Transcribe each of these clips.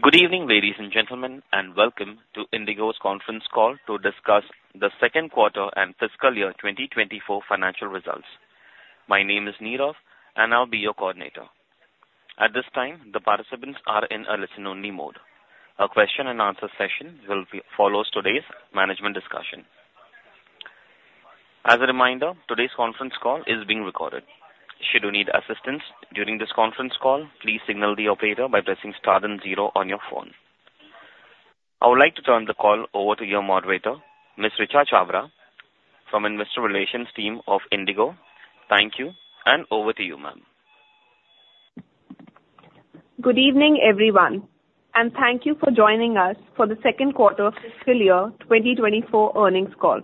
Good evening, ladies and gentlemen, and welcome to IndiGo's conference call to discuss the second quarter and fiscal year 2024 financial results. My name is Nirav, and I will be your coordinator. At this time, the participants are in a listen-only mode. A question and answer session will follow today's management discussion. As a reminder, today's conference call is being recorded. Should you need assistance during this conference call, please signal the operator by pressing star then zero on your phone. I would like to turn the call over to your moderator, Ms. Richa Chhabra, from Investor Relations team of IndiGo. Thank you, and over to you, ma'am. Good evening, everyone, and thank you for joining us for the second quarter fiscal year 2024 earnings call.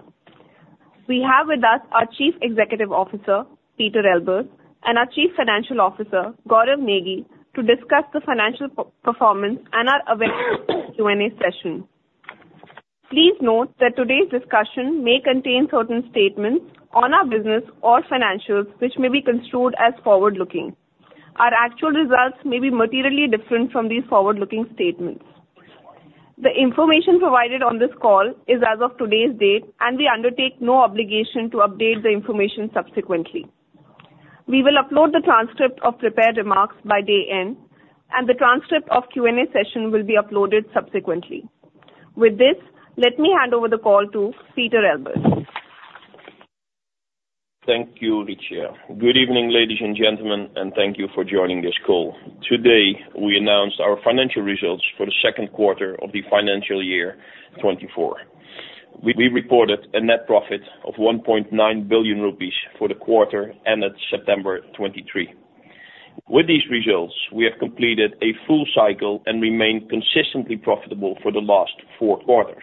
We have with us our Chief Executive Officer, Pieter Elbers, and our Chief Financial Officer, Gaurav Negi, to discuss the financial performance and our Q&A session Please note that today's discussion may contain certain statements on our business or financials, which may be construed as forward-looking. Our actual results may be materially different from these forward-looking statements. The information provided on this call is as of today's date, and we undertake no obligation to update the information subsequently. We will upload the transcript of prepared remarks by day end, and the transcript of the Q&A session will be uploaded subsequently. With this, let me hand over the call to Pieter Elbers. Thank you, Richa. Good evening, ladies and gentlemen, and thank you for joining this call. Today, we announced our financial results for the second quarter of the financial year 2024. We reported a net profit of 1.9 billion rupees for the quarter ended September 2023. With these results, we have completed a full cycle and remained consistently profitable for the last four quarters.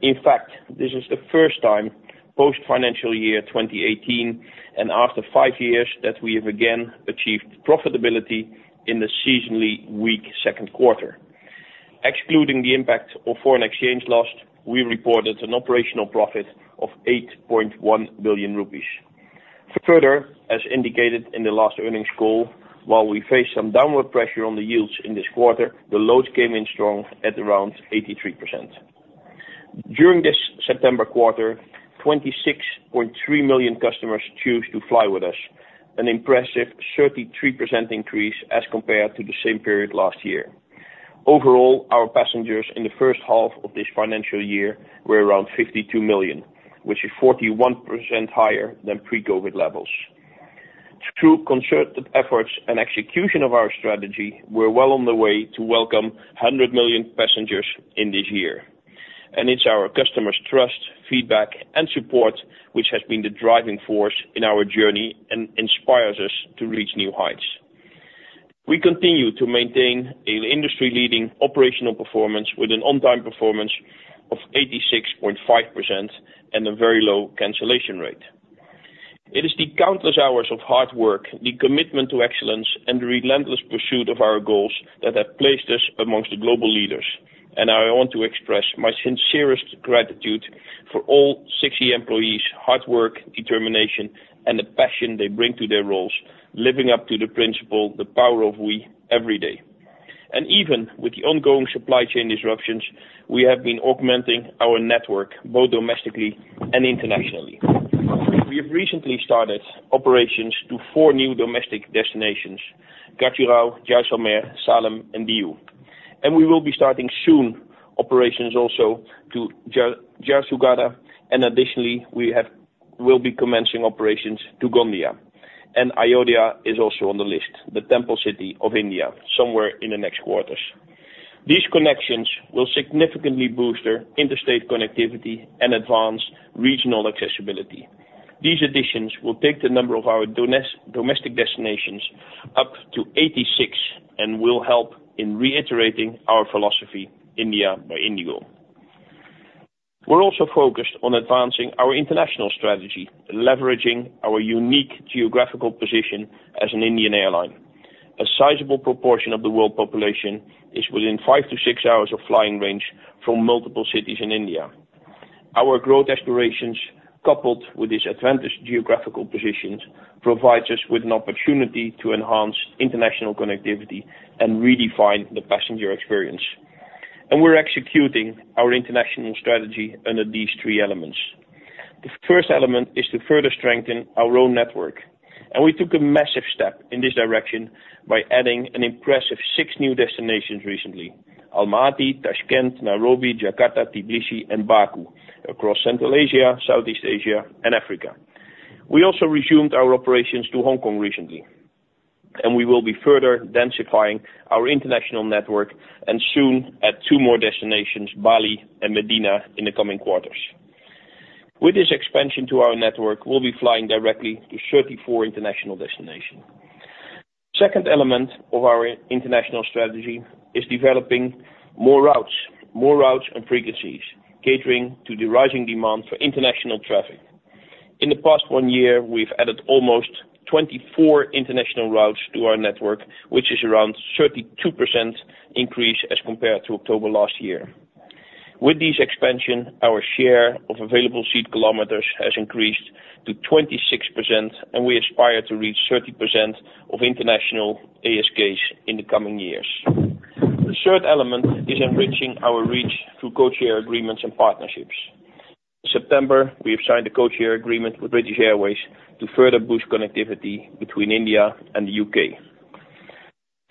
In fact, this is the first time post-financial year 2018 and after five years, that we have again achieved profitability in the seasonally weak second quarter. Excluding the impact of foreign exchange loss, we reported an operational profit of 8.1 billion rupees. Further, as indicated in the last earnings call, while we face some downward pressure on the yields in this quarter, the loads came in strong at around 83%. During this September quarter, 26.3 million customers chose to fly with us, an impressive 33% increase as compared to the same period last year. Overall, our passengers in the first half of this financial year were around 52 million, which is 41% higher than pre-COVID levels. Through concerted efforts and execution of our strategy, we are well on the way to welcome 100 million passengers in this year, and it's our customers' trust, feedback, and support, which has been the driving force in our journey and inspires us to reach new heights. We continue to maintain an industry-leading operational performance with an on-time performance of 86.5% and a very low cancellation rate. It is the countless hours of hard work, the commitment to excellence, and the relentless pursuit of our goals that have placed us amongst the global leaders. I want to express my sincerest gratitude for all 60 employees' hard work, determination, and the passion they bring to their roles, living up to the principle, The Power of We, every day. Even with the ongoing supply chain disruptions, we have been augmenting our network, both domestically and internationally. We have recently started operations to four new domestic destinations, Gachibowli, Jaisalmer, Salem, and Diu. We will be starting soon operations also to Jharsuguda, and additionally, we will be commencing operations to Gondia, and Ayodhya is also on the list, the temple city of India, somewhere in the next quarters. These connections will significantly boost our interstate connectivity and advance regional accessibility. These additions will take the number of our domestic destinations up to 86 and will help in reiterating our philosophy, India by IndiGo. We are also focused on advancing our international strategy and leveraging our unique geographical position as an Indian airline. A sizable proportion of the world population is within five to six hours of flying range from multiple cities in India. Our growth aspirations, coupled with this advantageous geographical position, provides us with an opportunity to enhance international connectivity and redefine the passenger experience. We are executing our international strategy under these three elements. The first element is to further strengthen our own network, and we took a massive step in this direction by adding an impressive six new destinations recently: Almaty, Tashkent, Nairobi, Jakarta, Tbilisi, and Baku, across Central Asia, Southeast Asia, and Africa. We also resumed our operations to Hong Kong recently, and we will be further densifying our international network and soon add two more destinations, Bali and Medina, in the coming quarters. With this expansion to our network, we will be flying directly to 34 international destinations. The second element of our international strategy is developing more routes, more routes and frequencies, catering to the rising demand for international traffic. In the past one year, we have added almost 24 international routes to our network, which is around 32% increase as compared to October last year. With this expansion, our share of available seat kilometers has increased to 26%, and we aspire to reach 30% of international ASKs in the coming years. The third element is enriching our reach through codeshare agreements and partnerships. In September, we signed a codeshare agreement with British Airways to further boost connectivity between India and the U.K.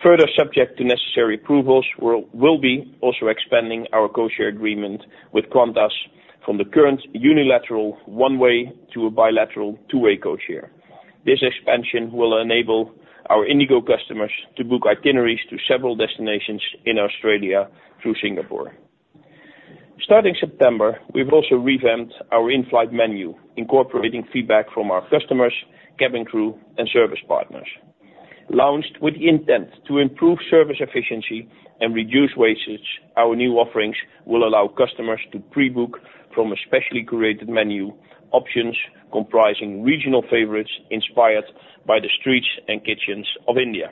Further, subject to necessary approvals, we will be also expanding our codeshare agreement with Qantas from the current unilateral one-way to a bilateral two-way codeshare. This expansion will enable our IndiGo customers to book itineraries to several destinations in Australia through Singapore. Starting September, we have also revamped our in-flight menu, incorporating feedback from our customers, cabin crew, and service partners. Launched with the intent to improve service efficiency and reduce wastage, our new offerings will allow customers to pre-book from a specially curated menu, options comprising regional favorites inspired by the streets and kitchens of India.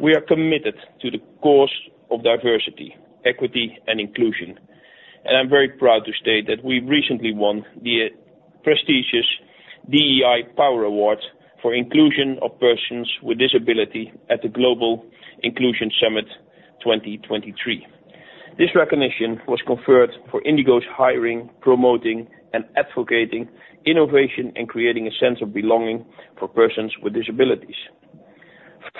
We are committed to the cause of diversity, equity, and inclusion, and I am very proud to state that we recently won the prestigious DEI Power Award for Inclusion of Persons With Disability at the Global Inclusion Summit 2023. This recognition was conferred for IndiGo's hiring, promoting, and advocating innovation, and creating a sense of belonging for persons with disabilities.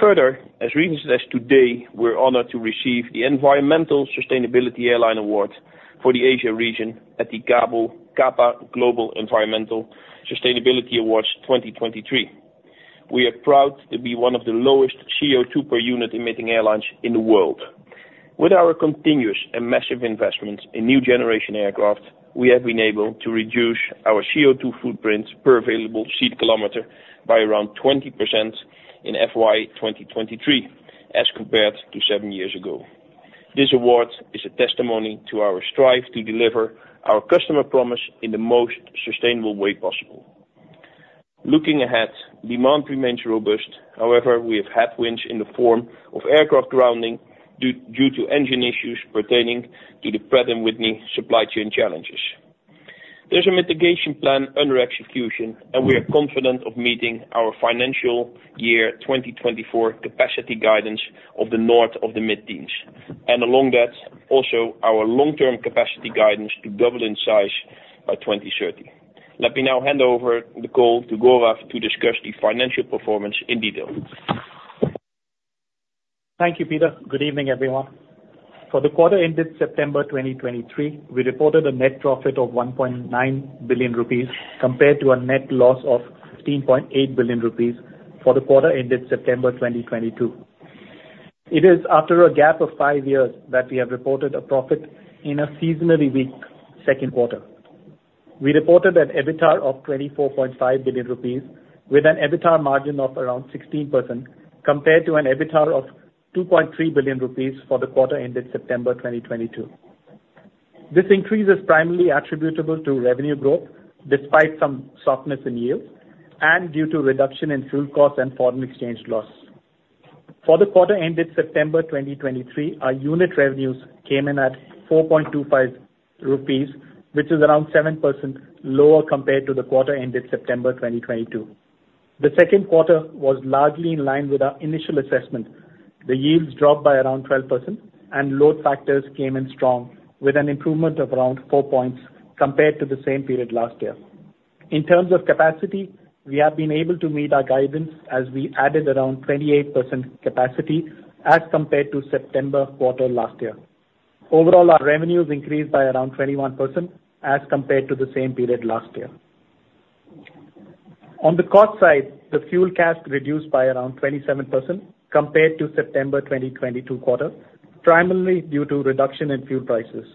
Further, as recent as today, we are honored to receive the Environmental Sustainability Airline Award for the Asia region at the CAPA Global Environmental Sustainability Awards 2023. We are proud to be one of the lowest CO2-per-unit-emitting airlines in the world. With our continuous and massive investments in new generation aircraft, we have been able to reduce our CO2 footprint per available seat kilometer by around 20% in FY 2023, as compared to seven years ago. This award is a testimony our striving to deliver our customer promise in the most sustainable way possible. Looking ahead, demand remains robust. However, we have headwinds in the form of aircraft grounding due to engine issues pertaining to the Pratt & Whitney supply chain challenges. There's a mitigation plan under execution, and we are confident of meeting our financial year 2024 capacity guidance of north of the mid-teens, and along that, also our long-term capacity guidance to double in size by 2030. Let me now hand over the call to Gaurav to discuss the financial performance in detail. Thank you, Pieter. Good evening, everyone. For the quarter ended September 2023, we reported a net profit of 1.9 billion rupees, compared to a net loss of 15.8 billion rupees for the quarter ended September 2022. It is after a gap of 5 years that we have reported a profit in a seasonally weak second quarter. We reported an EBITDA of 24.5 billion rupees, with an EBITDA margin of around 16%, compared to an EBITDA of 2.3 billion rupees for the quarter ended September 2022. This increase is primarily attributable to revenue growth, despite some softness in yields, and due to reduction in fuel costs and foreign exchange loss. For the quarter ended September 2023, our unit revenues came in at 4.25 rupees, which is around 7% lower compared to the quarter ended September 2022. The second quarter was largely in line with our initial assessment. The yields dropped by around 12%, and load factors came in strong, with an improvement of around 4 points compared to the same period last year. In terms of capacity, we have been able to meet our guidance as we added around 28% capacity as compared to September quarter last year. Overall, our revenues increased by around 21% as compared to the same period last year. On the cost side, the fuel CASK reduced by around 27% compared to September 2022 quarter, primarily due to reduction in fuel prices.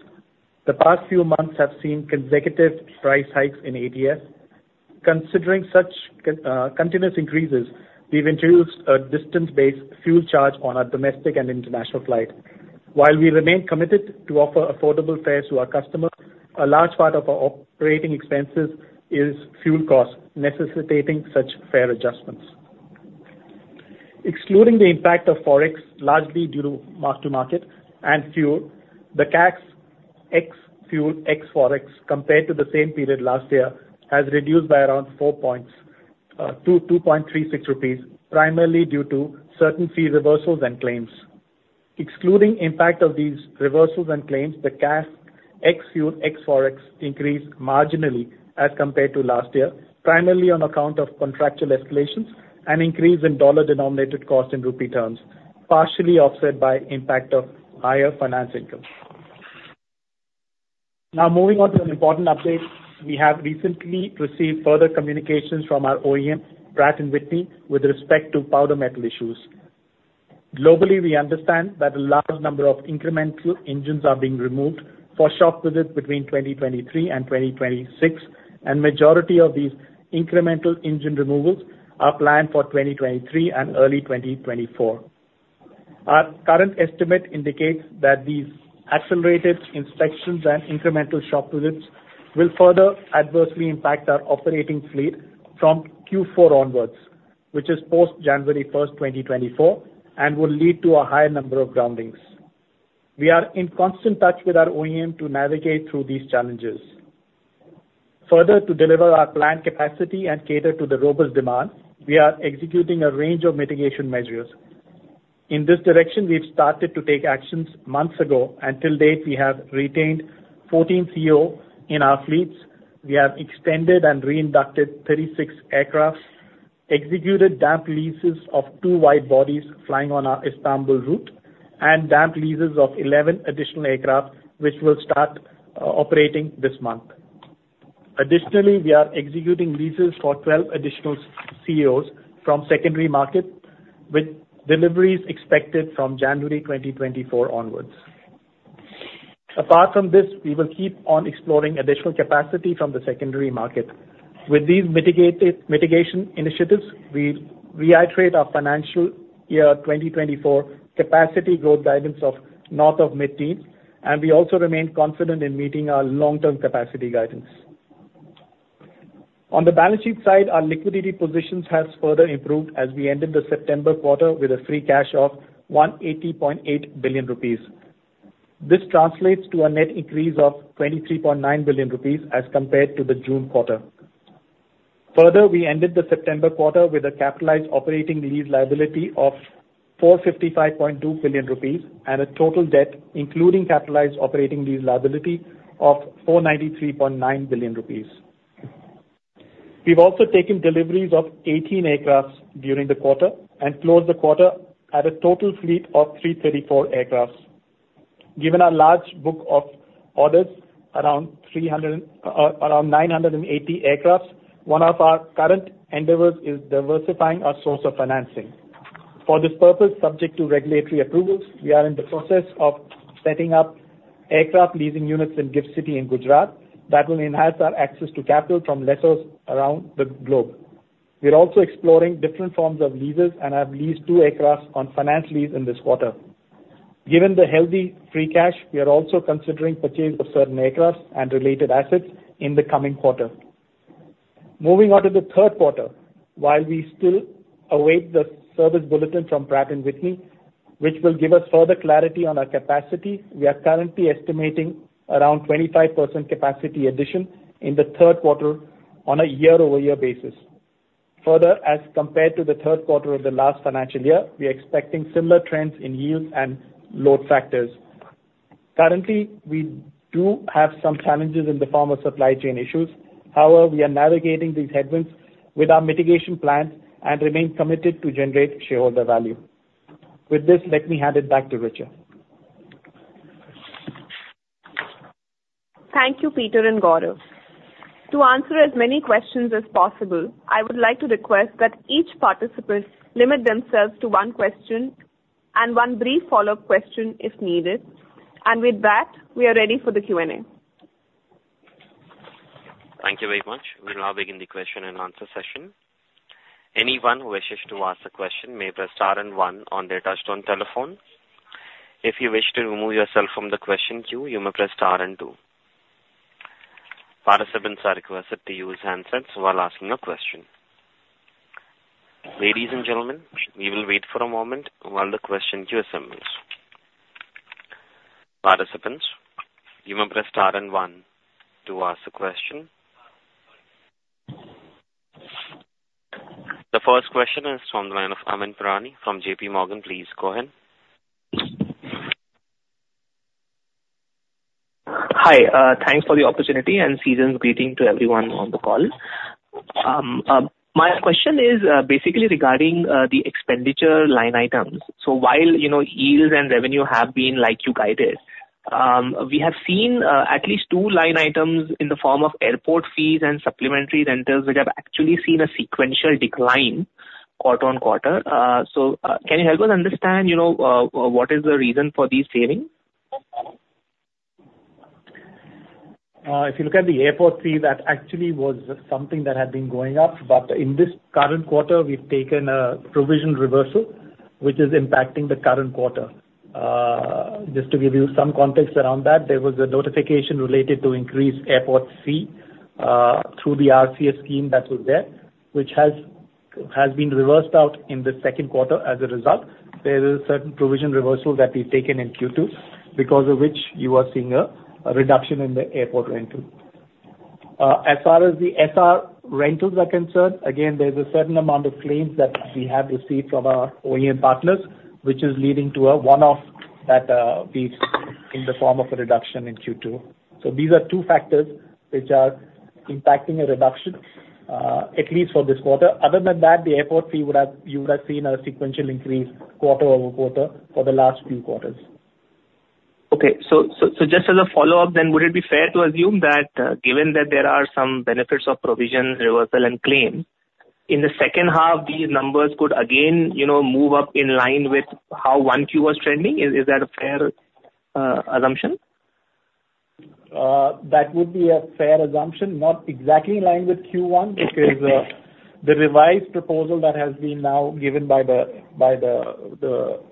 The past few months have seen consecutive price hikes in ATF. Considering such continuous increases, we have introduced a distance-based fuel charge on our domestic and international flights. While we remain committed to offer affordable fares to our customers, a large part of our operating expenses is fuel costs, necessitating such fare adjustments. Excluding the impact of Forex, largely due to mark-to-market and fuel, the CASK ex-fuel, ex-Forex, compared to the same period last year, has reduced by around four points to 2.36 rupees, primarily due to certain fee reversals and claims. Excluding impact of these reversals and claims, the CASK ex-fuel, ex-Forex increased marginally as compared to last year, primarily on account of contractual escalations and increase in dollar-denominated costs in rupee terms, partially offset by impact of higher finance income. Now, moving on to an important update. We have recently received further communications from our OEM, Pratt & Whitney, with respect to powder metal issues. Globally, we understand that a large number of incremental engines are being removed for shop visits between 2023 and 2026, and majority of these incremental engine removals are planned for 2023 and early 2024. Our current estimate indicates that these accelerated inspections and incremental shop visits will further adversely impact our operating fleet from Q4 onwards, which is post January 1, 2024, and will lead to a higher number of groundings. We are in constant touch with our OEM to navigate through these challenges. Further, to deliver our planned capacity and cater to the robust demand, we are executing a range of mitigation measures. In this direction, we have started to take actions months ago, and till date, we have retained 14 CEOs in our fleets. We have extended and reinducted 36 aircraft, executed Damp Leases of 2 wide bodies flying on our Istanbul route, and Damp Leases of 11 additional aircraft, which will start operating this month. Additionally, we are executing leases for 12 additional CEOs from secondary market, with deliveries expected from January 2024 onwards. Apart from this, we will keep on exploring additional capacity from the secondary market. With these mitigation initiatives, we reiterate our financial year 2024 capacity growth guidance of north of mid-teens, and we also remain confident in meeting our long-term capacity guidance. On the balance sheet side, our liquidity position has further improved as we ended the September quarter with a free cash of 180.8 billion rupees. This translates to a net increase of 23.9 billion rupees as compared to the June quarter. Further, we ended the September quarter with a capitalized operating lease liability of 455.2 billion rupees, and a total debt, including capitalized operating lease liability of 493.9 billion rupees. We have also taken deliveries of 18 aircraft during the quarter, and closed the quarter at a total fleet of 334 aircraft. Given our large book of orders, around 980 aircraft, one of our current endeavors is diversifying our source of financing. For this purpose, subject to regulatory approvals, we are in the process of setting up aircraft leasing units in GIFT City in Gujarat that will enhance our access to capital from lessors around the globe. We are also exploring different forms of leases and have leased 2 aircraft on finance lease in this quarter. Given the healthy free cash, we are also considering purchase of certain aircraft and related assets in the coming quarter. Moving on to the third quarter, while we still await the service bulletin from Pratt & Whitney, which will give us further clarity on our capacity, we are currently estimating around 25% capacity addition in the third quarter on a year-over-year basis. Further, as compared to the third quarter of the last financial year, we are expecting similar trends in yields and load factors. Currently, we do have some challenges in the form of supply chain issues. However, we are navigating these headwinds with our mitigation plans and remain committed to generate shareholder value. With this, let me hand it back to Richa. Thank you, Pieter and Gaurav. To answer as many questions as possible, I would like to request that each participant limit themselves to one question and one brief follow-up question if needed. With that, we are ready for the Q&A. Thank you very much. We will now begin the question and answer session. Anyone who wishes to ask a question may press star and one on their touchtone telephone. If you wish to remove yourself from the question queue, you may press star and two. Participants are requested to use handsets while asking a question. Ladies and gentlemen, we will wait for a moment while the question queue assembles. Participants, you may press star and one to ask a question. The first question is from the line of Amyn Pirani from JPMorgan. Please go ahead. Hi, thanks for the opportunity and season's greetings to everyone on the call. My question is basically regarding the expenditure line items. So while, yields and revenue have been like you guided, we have seen at least two line items in the form of airport fees and supplementary rentals, which have actually seen a sequential decline quarter-on-quarter. So can you help us understand, what is the reason for these failings? If you look at the airport fee, that actually was something that had been going up. But in this current quarter, we have taken a provision reversal, which is impacting the current quarter. Just to give you some context around that, there was a notification related to increased airport fee, through the RCS scheme that was there, which has been reversed out in the second quarter as a result. There is a certain provision reversal that we have taken in Q2, because of which you are seeing a reduction in the airport rental. As far as the SR rentals are concerned, again, there's a certain amount of claims that we have received from our OEM partners, which is leading to a one-off that feeds in the form of a reduction in Q2. So these are two factors which are impacting a reduction, at least for this quarter. Other than that, the airport fee would have—you would have seen a sequential increase quarter over quarter for the last few quarters. Okay. So just as a follow-up, then, would it be fair to assume that, given that there are some benefits of provision reversal and claim, in the second half, these numbers could again, move up in line with how one Q was trending? Is that a fair assumption? That would be a fair assumption. Not exactly in line with Q1, because the revised proposal that has been now given by the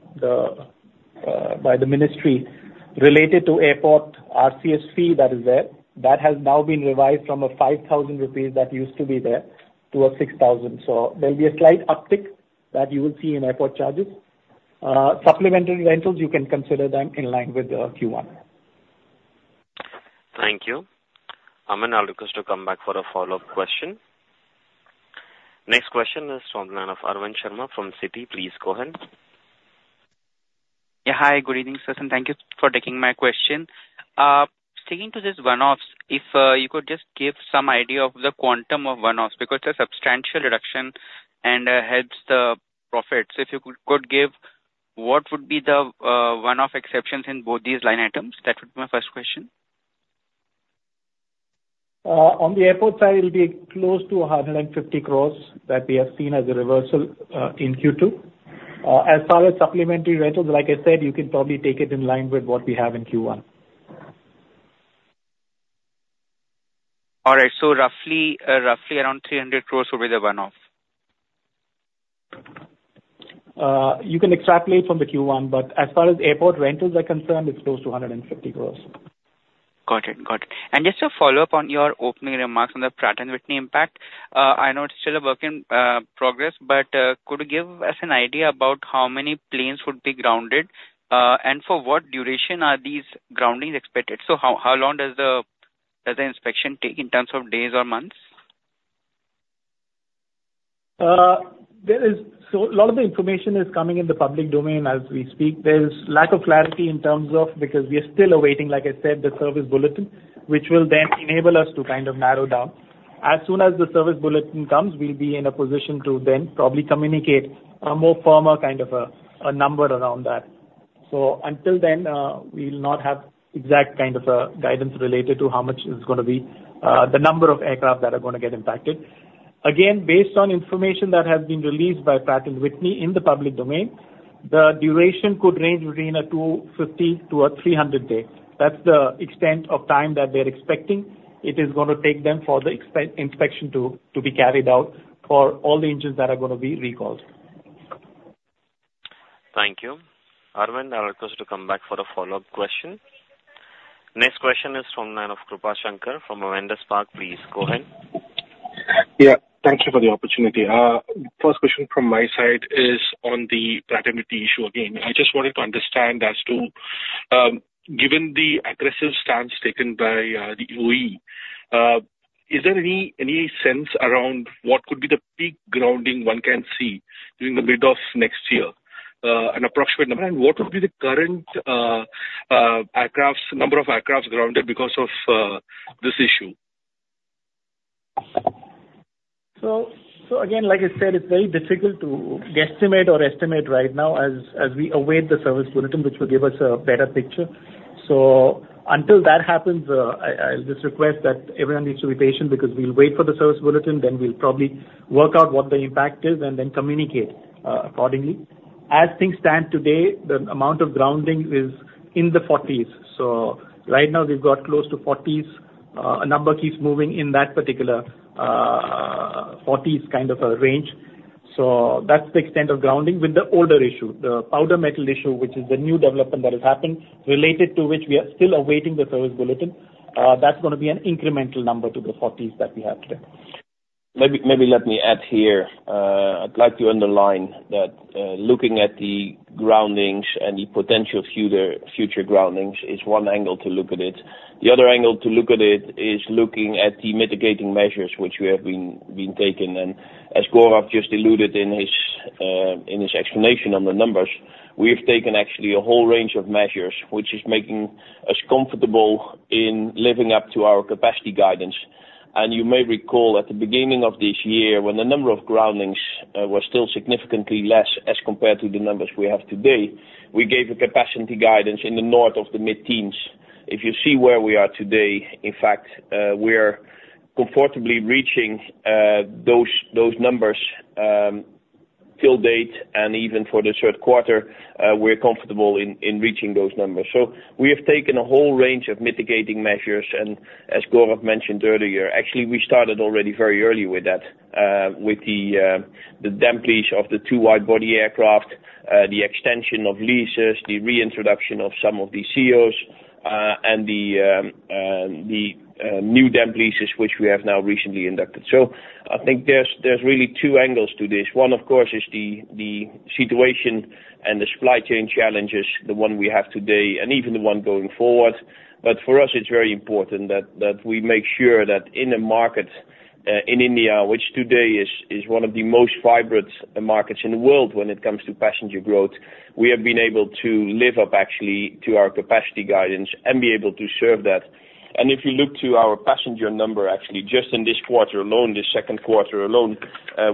ministry related to airport RCS fee that is there, that has now been revised from 5,000 rupees that used to be there to 6,000. So there'll be a slight uptick that you will see in airport charges. Supplementary rentals, you can consider them in line with Q1. Thank you. Amyn, I will request you to come back for a follow-up question. Next question is from the line of Arvind Sharma from Citi. Please go ahead. Yeah. Hi, good evening, sirs, and thank you for taking my question. Sticking to this one-offs, if you could just give some idea of the quantum of one-offs, because it's a substantial reduction and helps the profits. If you could give what would be the one-off exceptions in both these line items? That would be my first question. On the airport side, it will be close to 150 crore that we have seen as a reversal in Q2. As far as supplementary rentals, like I said, you can probably take it in line with what we have in Q1. All right. So roughly around 300 crore will be the one-off? You can extrapolate from the Q1, but as far as airport rentals are concerned, it's close to 150 crore. Got it. Just a follow-up on your opening remarks on the Pratt & Whitney impact. I know it's still a work in progress, but could you give us an idea about how many planes would be grounded and for what duration are these groundings expected? How long does the inspection take in terms of days or months? A lot of the information is coming in the public domain as we speak. There is lack of clarity in terms of, because we are still awaiting, like I said, the Service Bulletin, which will then enable us to narrow down. As soon as the Service Bulletin comes, we will be in a position to then probably communicate a more firmer a number around that. Until then, we will not have exact guidance related to how much it's gonna be, the number of aircraft that are gonna get impacted. Again, based on information that has been released by Pratt & Whitney in the public domain, the duration could range between 250 to 300 days. That's the extent of time that they are expecting it is gonna take them for the inspection to be carried out for all the engines that are gonna be recalled. Thank you. Arvind, I will request you to come back for a follow-up question. Next question is from the line of Krupa Shankar from Avendus Spark. Please go ahead. Yeah, thank you for the opportunity. First question from my side is on the Pratt & Whitney issue again. I just wanted to understand as to, given the aggressive stance taken by the OEM, is there any sense around what could be the peak grounding one can see during the mid of next year? An approximate number, and what would be the current aircraft, number of aircraft grounded because of this issue? So again, like I said, it's very difficult to guesstimate or estimate right now as we await the service bulletin, which will give us a better picture. So until that happens, I will just request that everyone needs to be patient, because we will wait for the service bulletin, then we will probably work out what the impact is and then communicate accordingly. As things stand today, the amount of grounding is in the 40s. Right now we have got in the low 40s, a number keeps moving in that particular 40s range. So that's the extent of grounding with the older issue. The powder metal issue, which is the new development that has happened, related to which we are still awaiting the service bulletin, that's gonna be an incremental number to the 40s that we have today. Maybe, maybe let me add here. I would like to underline that, looking at the groundings and the potential future groundings is one angle to look at it. The other angle to look at it is looking at the mitigating measures which we have been taking. And as Gaurav just alluded in his explanation on the numbers, we have taken actually a whole range of measures, which is making us comfortable in living up to our capacity guidance. You may recall at the beginning of this year, when the number of groundings were still significantly less as compared to the numbers we have today, we gave a capacity guidance in the north of the mid-teens. If you see where we are today, in fact, we are comfortably reaching those numbers till date, and even for the third quarter, we are comfortable in reaching those numbers. We have taken a whole range of mitigating measures, and as Gaurav mentioned earlier, actually, we started already very early with that, with the Damp Lease of the two wide-body aircraft, the extension of leases, the reintroduction of some of the CEOs, and the new Damp Leases, which we have now recently inducted. So I think there's really two angles to this. One, of course, is the situation and the supply chain challenges, the one we have today and even the one going forward. For us, it's very important that we make sure that in a market in India, which today is one of the most vibrant markets in the world when it comes to passenger growth, we have been able to live up actually to our capacity guidance and be able to serve that. If you look to our passenger number, actually, just in this quarter alone, this second quarter alone,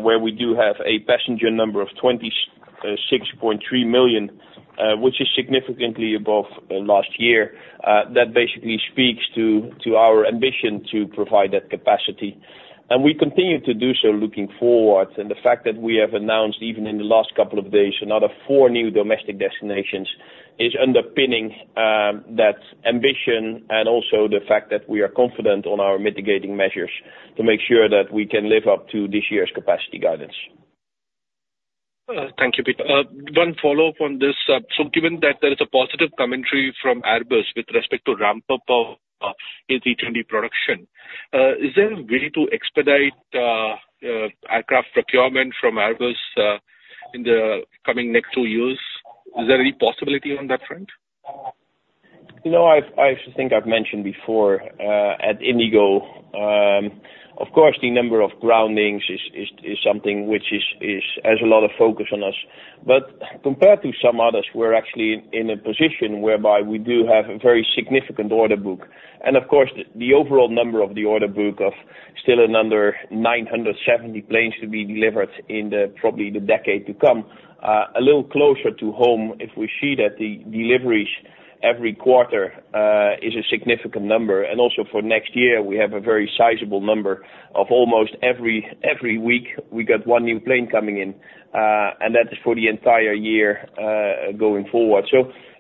where we do have a passenger number of 26.3 million, which is significantly above last year, that basically speaks to our ambition to provide that capacity. And we continue to do so looking forward. The fact that we have announced, even in the last couple of days, another four new domestic destinations, is underpinning that ambition and also the fact that we are confident on our mitigating measures to make sure that we can live up to this year's capacity guidance. Thank you, Pieter. One follow-up on this. Given that there is a positive commentary from Airbus with respect to ramp up of A320 production, is there a way to expedite aircraft procurement from Airbus in the coming next two years? Is there any possibility on that front? I think I have mentioned before at IndiGo, of course, the number of groundings is something which has a lot of focus on us. But compared to some others, we are actually in a position whereby we do have a very significant order book. And of course, the overall number of the order book of still another 970 planes to be delivered in the probably the decade to come. A little closer to home, if we see that the deliveries every quarter is a significant number, and also for next year, we have a very sizable number of almost every week we get one new plane coming in, and that is for the entire year going forward.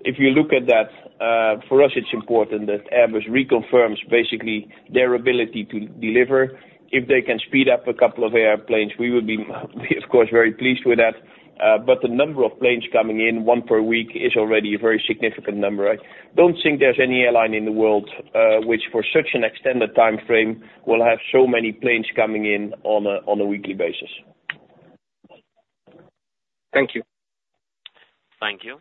If you look at that, for us, it's important that Airbus reconfirms basically their ability to deliver. If they can speed up a couple of airplanes, we would be, of course, very pleased with that. But the number of planes coming in, 1 per week, is already a very significant number. I don't think there's any airline in the world, which for such an extended time frame, will have so many planes coming in on a weekly basis. Thank you. Thank you.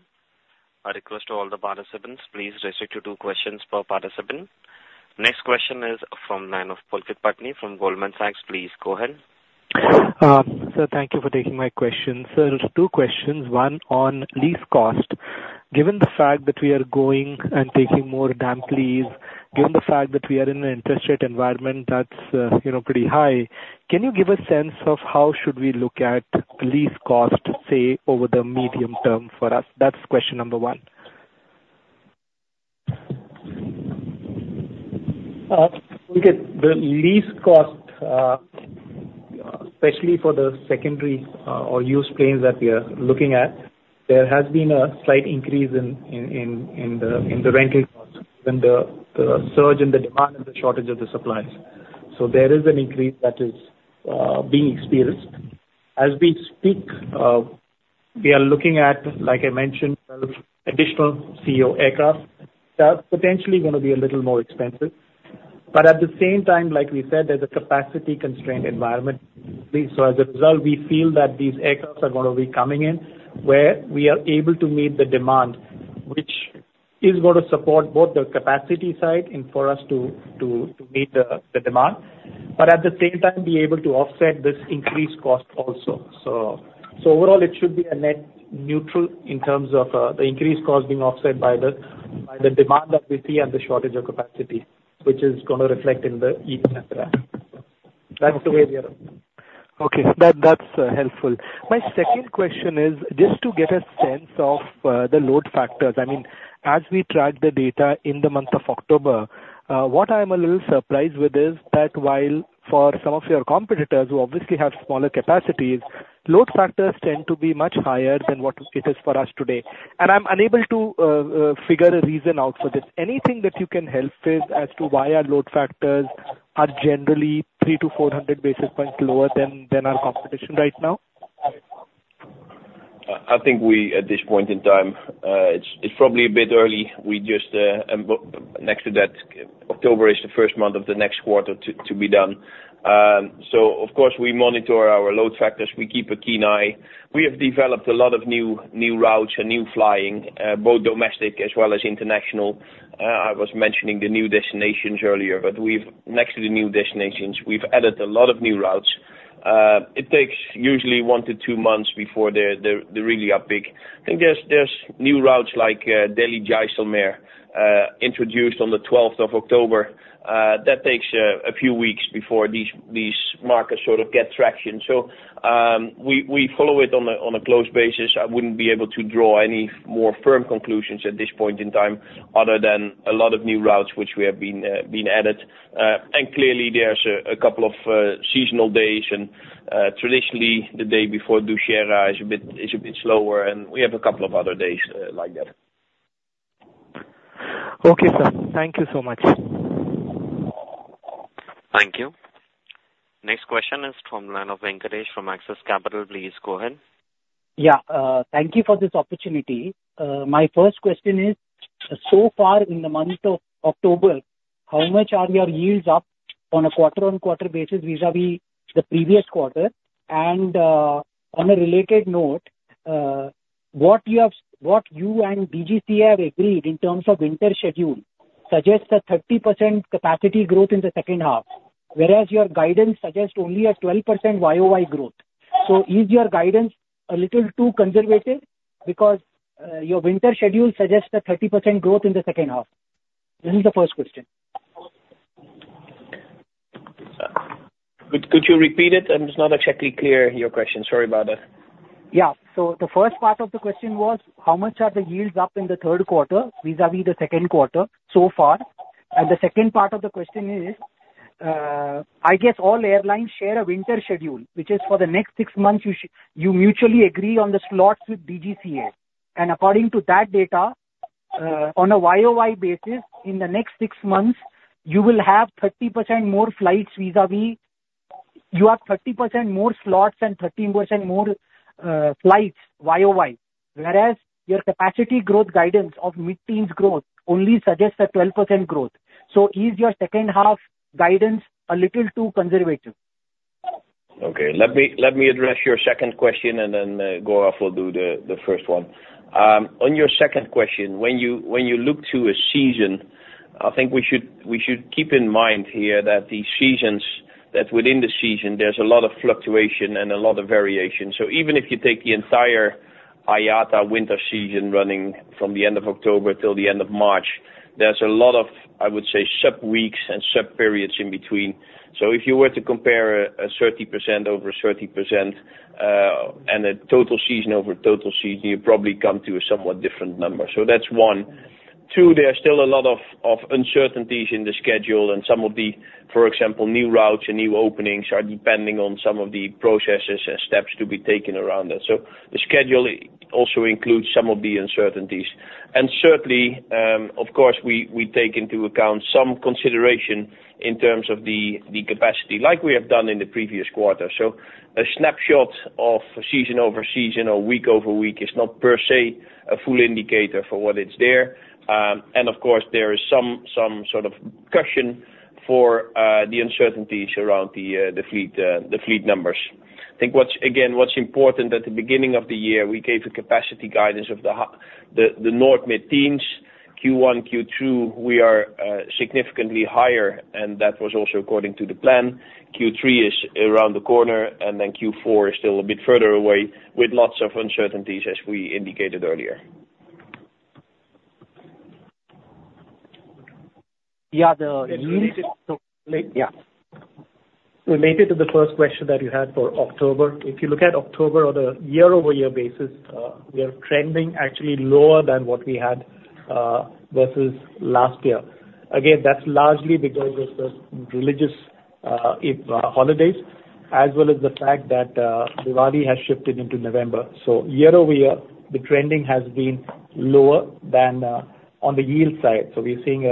I request all the participants, please restrict to two questions per participant. Next question is from Pulkit Patni, from Goldman Sachs. Please go ahead. Sir, thank you for taking my question. So two questions, one, on lease cost. Given the fact that we are going and taking more Damp Leases, given the fact that we are in an interest rate environment that's, pretty high, can you give a sense of how should we look at lease cost, say, over the medium term for us? That's question number one. We get the lease cost, especially for the secondary, or used planes that we are looking at. There has been a slight increase in the rental cost than the surge in the demand and the shortage of the supplies. So there is an increase that is being experienced. As we speak, we are looking at, like I mentioned, additional CEO aircraft, that's potentially gonna be a little more expensive. At the same time, like we said, there's a capacity-constrained environment. So as a result, we feel that these aircraft are gonna be coming in, where we are able to meet the demand, which is gonna support both the capacity side and for us to meet the demand, but at the same time, be able to offset this increased cost also. Overall, it should be a net neutral in terms of the increased cost being offset by the demand that we see and the shortage of capacity, which is gonna reflect in the E in the contract. That's the way we are. Okay. That's helpful. My second question is, just to get a sense of the load factors. I mean, as we track the data in the month of October, what I am a little surprised with is that while for some of your competitors who obviously have smaller capacities, load factors tend to be much higher than what it is for us today. I am unable to figure a reason out for this. Anything that you can help with as to why our load factors are generally 300-400 basis points lower than our competition right now? I think we, at this point in time, it's probably a bit early. We just next to that, October is the first month of the next quarter to be done. So of course, we monitor our load factors. We keep a keen eye. We have developed a lot of new routes and new flying, both domestic as well as international. I was mentioning the new destinations earlier, but next to the new destinations, we have added a lot of new routes. It takes usually one to two months before they are really up big. I think there's new routes like Delhi-Jaisalmer, introduced on the twelfth of October. That takes a few weeks before these markets get traction. So, we follow it on a close basis. I wouldn't be able to draw any more firm conclusions at this point in time, other than a lot of new routes, which we have been added. And clearly, there's a couple of seasonal days, and traditionally, the day before Dussehra is a bit slower, and we have a couple of other days like that. Okay, sir. Thank you so much. Thank you. Next question is from the line of Venkatesh, from Axis Capital. Please go ahead. Yeah, thank you for this opportunity. My first question is, so far in the month of October, how much are your yields up on a quarter-on-quarter basis vis-a-vis the previous quarter? And, on a related note, what you and DGCA have agreed in terms of winter schedule, suggests a 30% capacity growth in the second half, whereas your guidance suggests only a 12% YOY growth. So is your guidance a little too conservative? Because, your winter schedule suggests a 30% growth in the second half. This is the first question. Could you repeat it? I am just not exactly clear your question. Sorry about that. The first part of the question was, how much are the yields up in the third quarter, vis-a-vis the second quarter so far? And the second part of the question is, I guess all airlines share a winter schedule, which is for the next six months, you mutually agree on the slots with DGCA, and according to that data, on a YOY basis, in the next six months, you will have 30% more flights vis-a-vis, you have 30% more slots and 13% more flights YOY. Whereas, your capacity growth guidance of mid-teens growth only suggests a 12% growth. So is your second half guidance a little too conservative? Okay, let me, let me address your second question, and then Gaurav will do the, the first one. On your second question, when you, when you look to a season, I think we should, we should keep in mind here that the seasons, that within the season, there's a lot of fluctuation and a lot of variation. Even if you take the entire IATA winter season running from the end of October till the end of March, there's a lot of, I would say, sub-weeks and sub-periods in between. So if you were to compare a 30% over 30%, and a total season over total season, you would probably come to a somewhat different number. So that's one. Two, there are still a lot of uncertainties in the schedule, and some of the, for example, new routes and new openings are depending on some of the processes and steps to be taken around that. So the schedule also includes some of the uncertainties. And certainly, of course, we take into account some consideration in terms of the capacity, like we have done in the previous quarter. A snapshot of season-over-season or week-over-week is not per se a full indicator for what it's there. And of course, there is some cushion for the uncertainties around the fleet, the fleet numbers. I think what's important. Again, what's important, at the beginning of the year, we gave a capacity guidance of the north mid-teens. Q1, Q2, we are significantly higher, and that was also according to the plan. Q3 is around the corner, and then Q4 is still a bit further away, with lots of uncertainties, as we indicated earlier. Yeah, the- Related to the first question that you had for October. If you look at October on a year-over-year basis, we are trending actually lower than what we had versus last year. Again, that's largely because of the religious holidays, as well as the fact that Diwali has shifted into November. Year-over-year, the trending has been lower than on the yield side. So we are seeing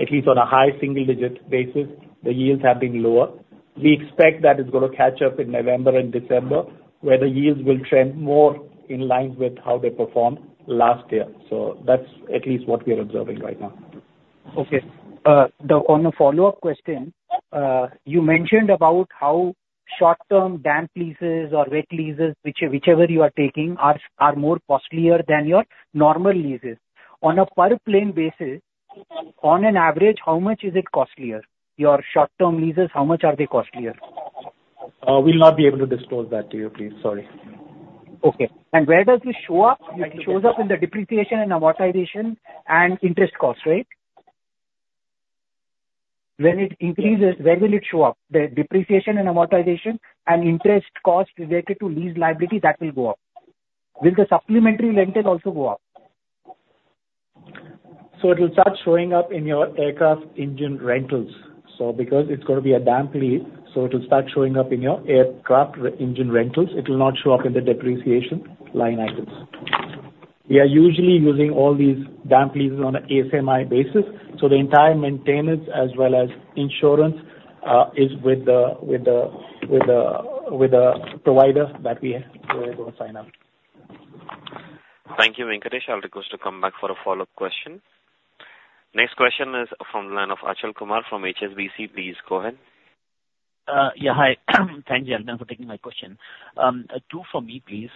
at least on a high single digit basis, the yields have been lower. We expect that it's going to catch up in November and December, where the yields will trend more in line with how they performed last year. So that's at least what we are observing right now. Okay. On a follow-up question, you mentioned about how short-term Damp Leases or wet leases, whichever you are taking, are more costlier than your normal leases. On a per plane basis, on an average, how much is it costlier? Your short-term leases, how much are they costlier? We will not be able to disclose that to you, please. Sorry. Okay. Where does this show up? It shows up in the depreciation and amortization and interest cost, right? When it increases, where will it show up? The depreciation and amortization and interest cost related to lease liability, that will go up. Will the supplementary rentals also go up? It'll start showing up in your aircraft engine rentals. Because it's going to be a Damp Leases, so it'll start showing up in your aircraft engine rentals. It will not show up in the depreciation line items. We are usually using all these Damp Leases on an ACMI basis, so the entire maintenance as well as insurance is with the provider that we go sign up. Thank you, Venkatesh. I will request to come back for a follow-up question. Next question is from the line of Achal Kumar from HSBC. Please go ahead. Thank you again for taking my question. Two for me, please.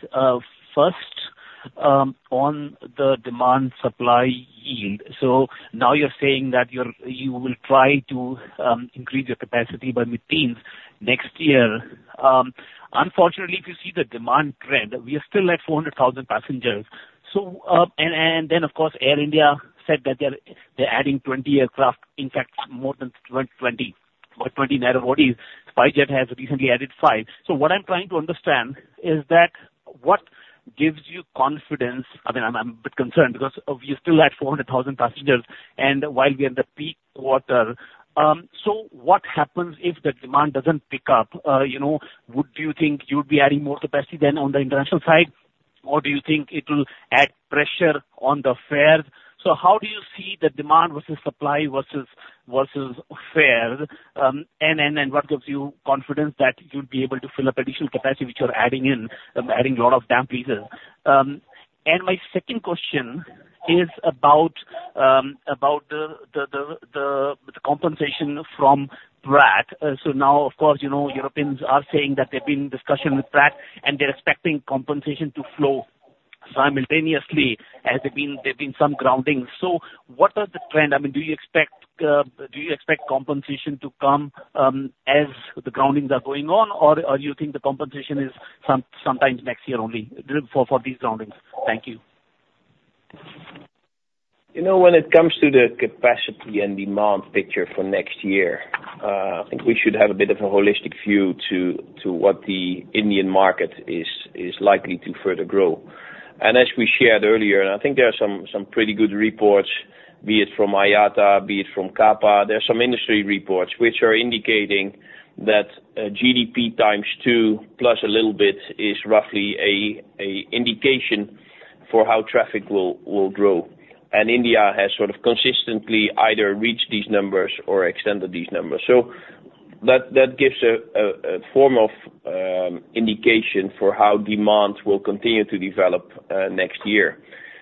First, on the demand-supply yield. So now you are saying that you are, you will try to increase your capacity by mid-teens next year. Unfortunately, if you see the demand trend, we are still at 400,000 passengers. So, and then, of course, Air India said that they are adding 20 aircraft, in fact, more than 20 narrow bodies. SpiceJet has recently added 5. What I am trying to understand is that, what gives you confidence?I am a bit concerned because we are still at 400,000 passengers, and while we are in the peak quarter. So what happens if the demand doesn't pick up? Would you think you would be adding more capacity then on the international side, or do you think it'll add pressure on the fares? So how do you see the demand versus supply versus fares? And what gives you confidence that you would be able to fill up additional capacity, which you are adding in, adding a lot of Damp Leases? My second question is about the compensation from Pratt. So now, Europeans are saying that they've been in discussion with Pratt, and they are expecting compensation to flow simultaneously, as there've been some groundings. So what is the trend? Do you expect compensation to come as the groundings are going on, or you think the compensation is sometimes next year only, for these groundings? Thank you. When it comes to the capacity and demand picture for next year, I think we should have a bit of a holistic view to what the Indian market is likely to further grow. As we shared earlier, I think there are some pretty good reports be it from IATA, be it from CAPA, there are some industry reports which are indicating that, GDP times two plus a little bit is roughly a indication for how traffic will grow. India has consistently either reached these numbers or extended these numbers. That gives a form of indication for how demand will continue to develop next year.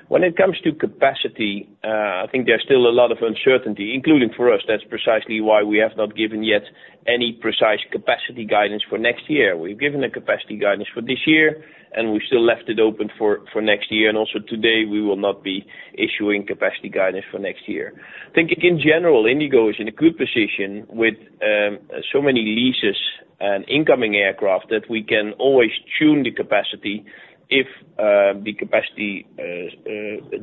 When it comes to capacity, I think there's still a lot of uncertainty, including for us. That's precisely why we have not given yet any precise capacity guidance for next year. We have given a capacity guidance for this year, and we have still left it open for next year, and also today we will not be issuing capacity guidance for next year. I think in general, IndiGo is in a good position with so many leases and incoming aircraft that we can always tune the capacity if the capacity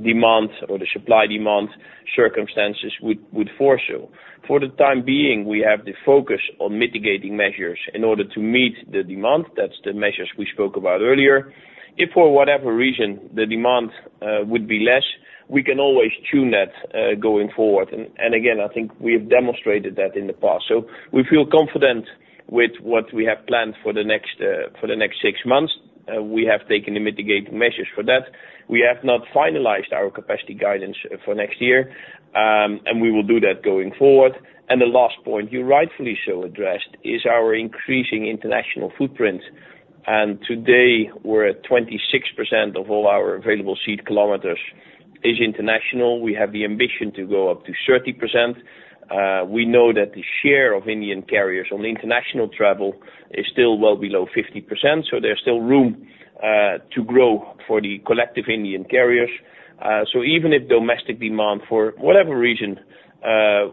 demand or the supply-demand circumstances would foresee. For the time being, we have the focus on mitigating measures in order to meet the demand. That's the measures we spoke about earlier. If for whatever reason, the demand would be less, we can always tune that going forward. And again, I think we have demonstrated that in the past. We feel confident with what we have planned for the next six months. We have taken the mitigating measures for that. We have not finalized our capacity guidance for next year, and we will do that going forward. The last point you rightfully so addressed is our increasing international footprint. Today we are at 26% of all our available seat kilometers is international. We have the ambition to go up to 30%. We know that the share of Indian carriers on international travel is still well below 50%, so there's still room to grow for the collective Indian carriers. So even if domestic demand, for whatever reason,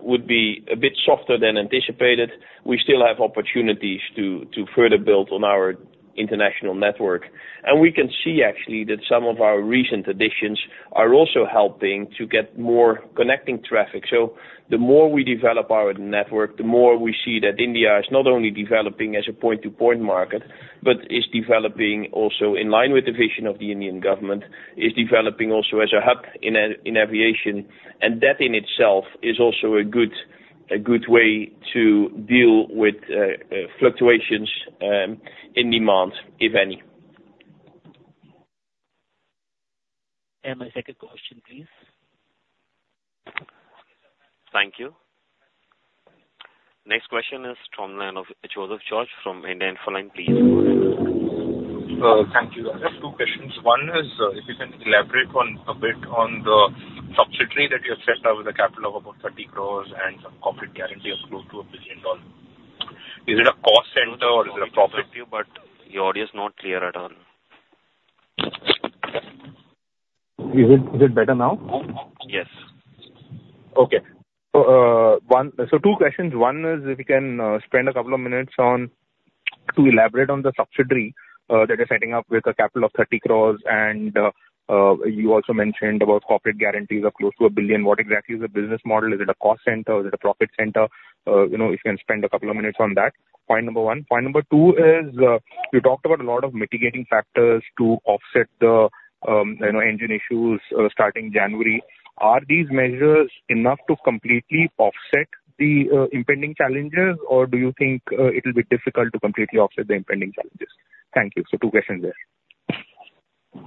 would be a bit softer than anticipated, we still have opportunities to further build on our international network. We can see actually, that some of our recent additions are also helping to get more connecting traffic. So the more we develop our network, the more we see that India is not only developing as a point-to-point market, but is developing also in line with the vision of the Indian government, is developing also as a hub in aviation, and that in itself is also a good, a good way to deal with fluctuations in demand, if any. My second question, please. Thank you. Next question is from the line of Joseph George from India Infoline, please. Thank you. I have two questions. One is, if you can elaborate on a bit on the subsidiary that you have set up with a capital of about 30 crore and some corporate guarantee of close to INR 1 billion. Is it a cost center or is it a profit? Your audio is not clear at all. Is it, is it better now? Yes. Okay. Two questions. One is, if you can spend a couple of minutes on to elaborate on the subsidiary that you are setting up with a capital of 30 crore, and you also mentioned about corporate guarantees of close to 1 billion. What exactly is the business model? Is it a cost center? Is it a profit center? If you can spend a couple of minutes on that, point number one. Point number two is, you talked about a lot of mitigating factors to offset the, engine issues starting January. Are these measures enough to completely offset the impending challenges, or do you think it'll be difficult to completely offset the impending challenges? Thank you. So two questions there.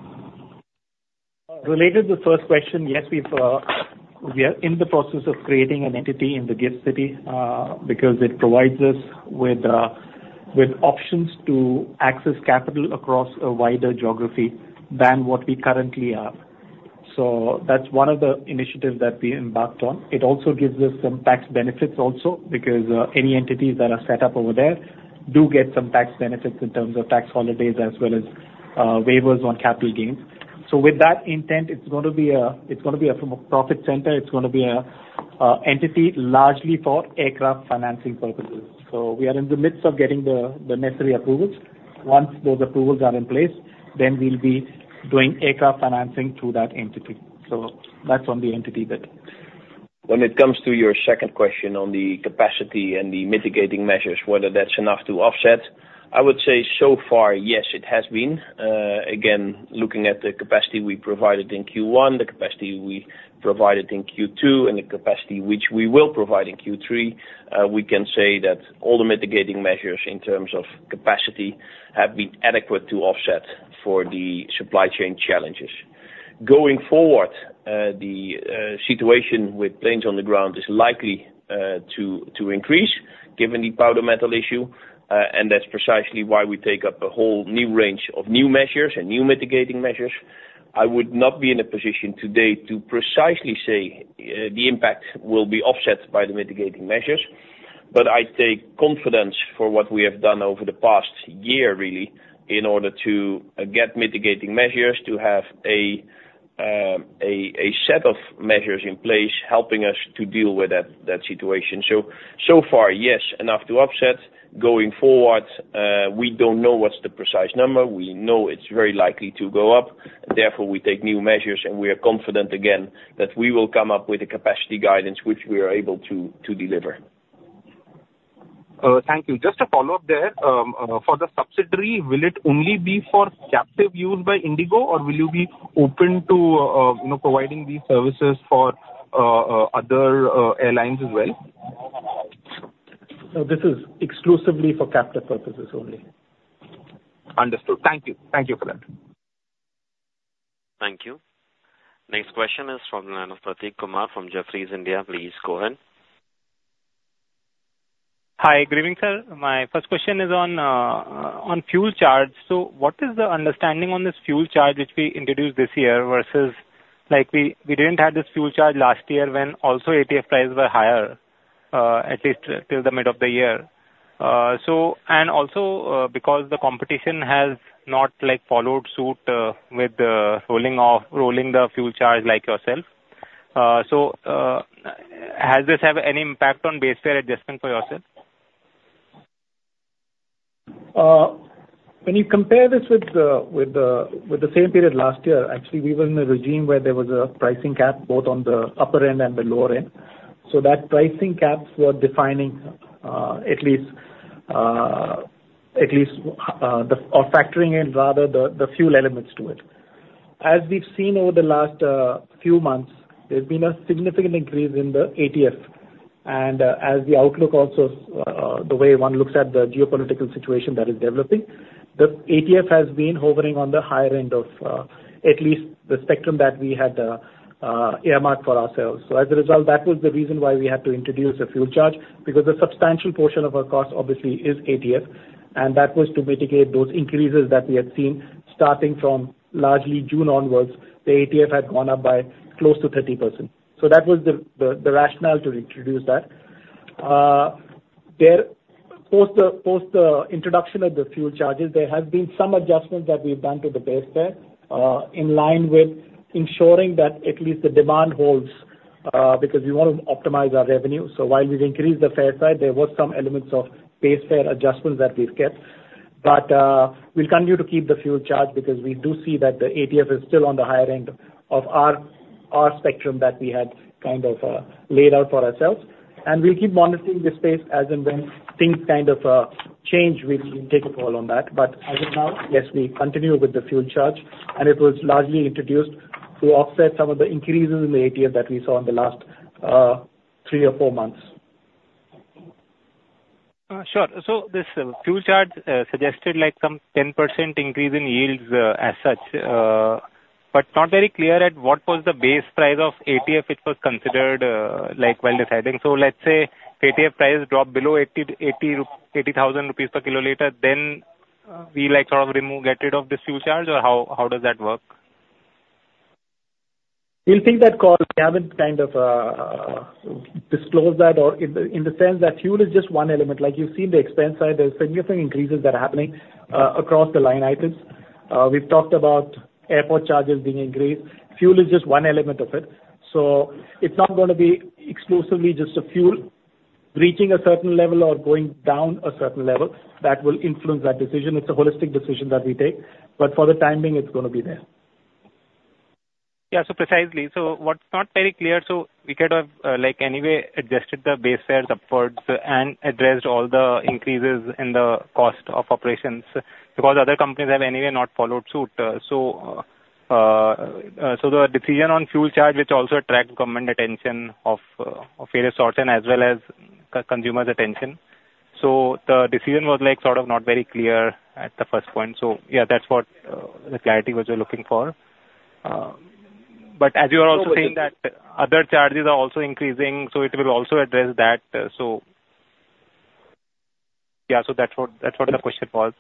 Related to the first question, we are in the process of creating an entity in the GIFT City, because it provides us with, with options to access capital across a wider geography than what we currently have. So that's one of the initiatives that we embarked on. It also gives us some tax benefits also, because, any entities that are set up over there do get some tax benefits in terms of tax holidays as well as, waivers on capital gains. With that intent, it's going to be a, it's going to be, from a profit center, it's going to be a, entity largely for aircraft financing purposes. So we are in the midst of getting the, the necessary approvals. Once those approvals are in place, then we will be doing aircraft financing through that entity. So that's on the entity bit. When it comes to your second question on the capacity and the mitigating measures, whether that's enough to offset, I would say so far, yes, it has been. Again, looking at the capacity we provided in Q1, the capacity we provided in Q2, and the capacity which we will provide in Q3, we can say that all the mitigating measures in terms of capacity have been adequate to offset for the supply chain challenges. Going forward, the situation with planes on the ground is likely to increase given the powder metal issue, and that's precisely why we take up a whole new range of new measures and new mitigating measures. I would not be in a position today to precisely say, the impact will be offset by the mitigating measures, but I take confidence for what we have done over the past year, really, in order to get mitigating measures, to have a, a set of measures in place, helping us to deal with that situation. So, so far, yes, enough to offset. Going forward, we don't know what's the precise number. We know it's very likely to go up, therefore, we take new measures, and we are confident again, that we will come up with a capacity guidance which we are able to, to deliver. Thank you. Just a follow-up there, for the subsidiary, will it only be for captive use by IndiGo, or will you be open to, providing these services for other airlines as well? No, this is exclusively for captive purposes only. Understood. Thank you. Thank you for that. Thank you. Next question is from the line of Prateek Kumar from Jefferies India. Please go ahead. Hi, good evening, sir. My first question is on fuel charge. So what is the understanding on this fuel charge, which we introduced this year versus, like, we didn't have this fuel charge last year when also ATF prices were higher, at least till the mid of the year. So, and also, because the competition has not, like, followed suit with rolling the fuel charge like yourself. So, has this have any impact on base fare adjustment for yourself? When you compare this with the same period last year, actually, we were in a regime where there was a pricing cap, both on the upper end and the lower end. So that pricing caps were defining at least or factoring in rather the fuel elements to it. As we've seen over the last few months, there's been a significant increase in the ATF. And as the outlook also, the way one looks at the geopolitical situation that is developing, the ATF has been hovering on the higher end of at least the spectrum that we had earmarked for ourselves. As a result, that was the reason why we had to introduce a fuel charge, because a substantial portion of our cost obviously is ATF, and that was to mitigate those increases that we had seen. Starting from largely June onwards, the ATF had gone up by close to 30%. So that was the rationale to introduce that. There, post the introduction of the fuel charges, there have been some adjustments that we've done to the base fare, in line with ensuring that at least the demand holds, because we want to optimize our revenue. So while we've increased the fare side, there were some elements of base fare adjustments that we've kept. We will continue to keep the fuel charge because we do see that the ATF is still on the higher end of our spectrum that we had laid out for ourselves. And we will keep monitoring this space as and when things change, we will take a call on that. But as of now, yes, we continue with the fuel charge, and it was largely introduced to offset some of the increases in the ATF that we saw in the last three or four months. Sure. This fuel charge, suggested some 10% increase in yields, as such, but not very clear at what was the base price of ATF, which was considered, while deciding. So let's say ATF prices drop below 80,000 rupees per kiloliter, then get rid of this fuel charge, or how does that work? We will take that call. We haven't disclosed that or in the sense that fuel is just one element. Like, you have seen the expense side; there's significant increases that are happening across the line items. We've talked about airport charges being increased. Fuel is just one element of it. So it's not gonna be exclusively just the fuel reaching a certain level or going down a certain level that will influence that decision. It's a holistic decision that we take, but for the time being, it's gonna be there. Precisely. So what's not very clear, so we could have adjusted the base fares upwards and addressed all the increases in the cost of operations, because other companies have anyway not followed suit. So the decision on fuel charge, which also attract government attention of various sorts and as well as consumers' attention. The decision was not very clear at the first point. So yeah, that's what the clarity which we are looking for. But as you are also saying that other charges are also increasing, so it will also address that, so... Yeah, so that's what the question was.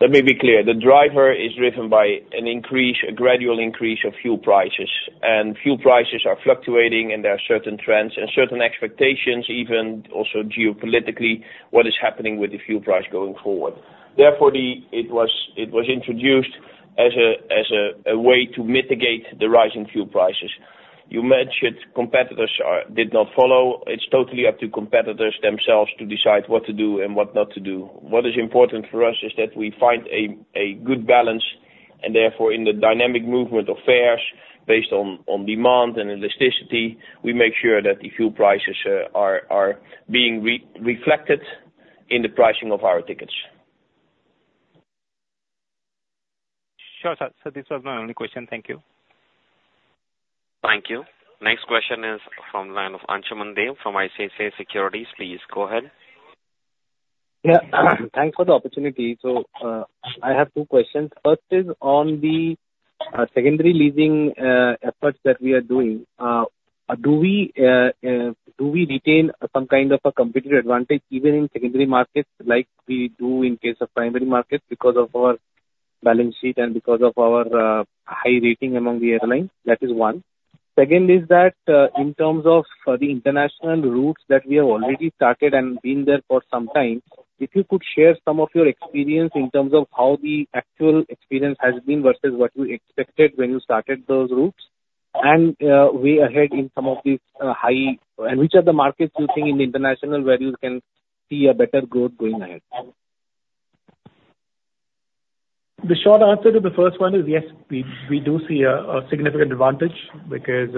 Let me be clear. The driver is driven by an increase, a gradual increase of fuel prices. Fuel prices are fluctuating, and there are certain trends and certain expectations, even also geopolitically, what is happening with the fuel price going forward. Therefore, it was introduced as a way to mitigate the rising fuel prices. You mentioned competitors did not follow. It's totally up to competitors themselves to decide what to do and what not to do. What is important for us is that we find a good balance, and therefore, in the dynamic movement of fares, based on demand and elasticity, we make sure that the fuel prices are being reflected in the pricing of our tickets. Sure, sir. So this was my only question. Thank you. Thank you. Next question is from the line of Ansuman Deb from ICICI Securities. Please go ahead. Thanks for the opportunity. So, I have two questions. First is on the, secondary leasing, efforts that we are doing. Do we retain some a competitive advantage even in secondary markets, like we do in case of primary markets because of our balance sheet and because of our, high rating among the airlines? That is one. Second is that, in terms of, the international routes that we have already started and been there for some time, if you could share some of your experience in terms of how the actual experience has been versus what you expected when you started those routes, and, way ahead in some of these, high... And which are the markets you think in the international where you can see a better growth going ahead?... The short answer to the first one is, yes, we do see a significant advantage because,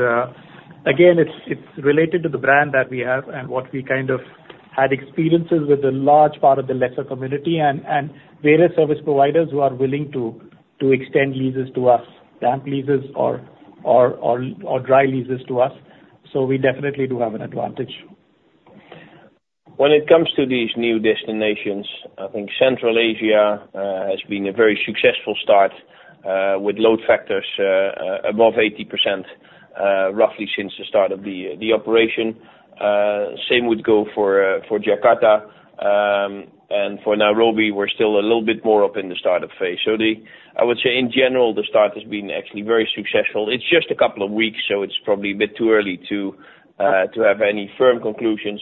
again, it's related to the brand that we have and what we had experiences with a large part of the leisure community and various service providers who are willing to extend leases to us, Damp Leases or dry leases to us. So we definitely do have an advantage. When it comes to these new destinations, I think Central Asia has been a very successful start with load factors above 80%, roughly since the start of the operation. Same would go for Jakarta. And for Nairobi, we are still a little bit more up in the startup phase. So I would say in general, the start has been actually very successful. It's just a couple of weeks, so it's probably a bit too early to have any firm conclusions,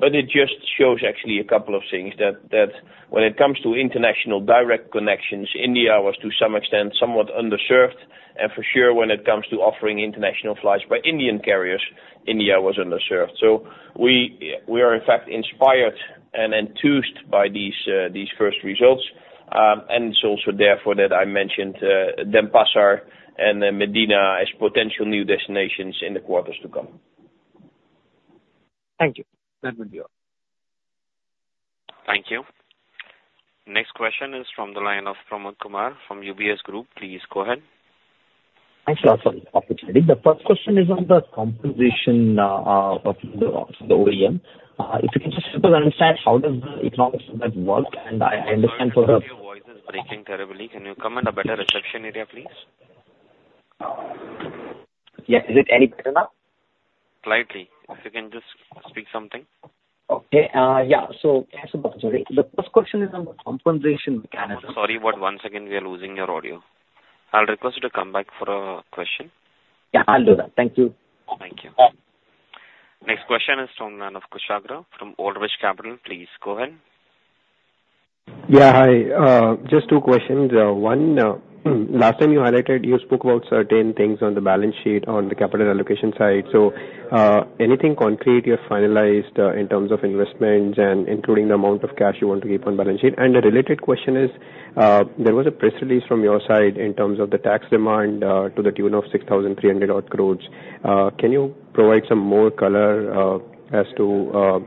but it just shows actually a couple of things, that when it comes to international direct connections, India was to some extent somewhat underserved. And for sure, when it comes to offering international flights by Indian carriers, India was underserved. So we are in fact inspired and enthused by these first results. It's also therefore that I mentioned Denpasar and then Medina as potential new destinations in the quarters to come. Thank you. That will be all. Thank you. Next question is from the line of Pramod Kumar from UBS Group. Please go ahead. Thanks a lot for the opportunity. The first question is on the compensation of the OEM. If you can just help us understand, how does the economics of that work? And I understand for the- Sorry, your voice is breaking terribly. Can you come to a better reception area, please? Yes. Is it any better now? Slightly. If you can just speak something. The first question is on the compensation mechanism. I am sorry, but once again, we are losing your audio. I will request you to come back for a question. Yeah, I will do that. Thank you. Thank you. Next question is from the line of Kushagra from Old Bridge Capital. Please go ahead. Hi. Just two questions. One, last time you highlighted, you spoke about certain things on the balance sheet, on the capital allocation side. So, anything concrete you have finalized, in terms of investments and including the amount of cash you want to keep on balance sheet? And a related question is, there was a press release from your side in terms of the tax demand, to the tune of 6,300 crore. Can you provide some more color, as to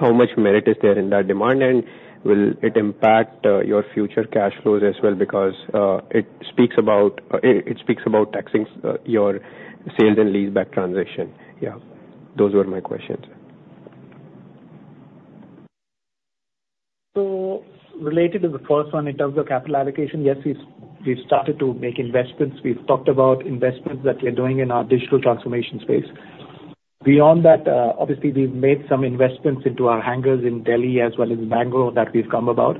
how much merit is there in that demand? And will it impact your future cash flows as well? Because, it speaks about, it, it speaks about taxing your sales and leaseback transaction. Yeah, those were my questions. Related to the first one, in terms of capital allocation, yes, we've started to make investments. We've talked about investments that we are doing in our digital transformation space. Beyond that, obviously, we've made some investments into our hangars in Delhi as well as Bangalore, that we've come about.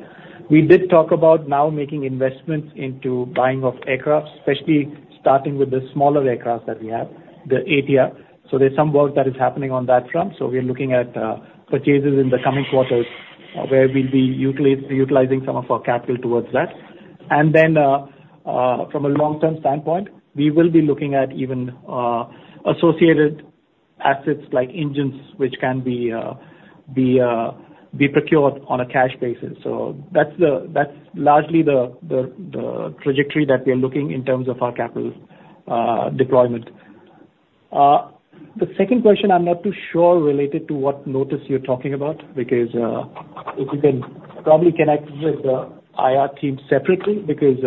We did talk about now making investments into buying of aircraft, especially starting with the smaller aircraft that we have, the ATR. So there's some work that is happening on that front. So we are looking at purchases in the coming quarters, where we will be utilizing some of our capital towards that. And then, from a long-term standpoint, we will be looking at even associated assets like engines, which can be procured on a cash basis. That's largely the trajectory that we are looking in terms of our capital deployment. The second question, I am not too sure related to what notice you are talking about, because if you can probably connect with the IR team separately, because